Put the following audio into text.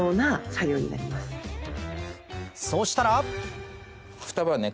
そうしたら２晩？